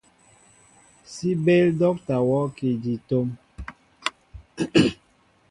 Si béél docta worki di tóm.